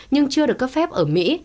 nhưng chưa được cấp phép ở mỹ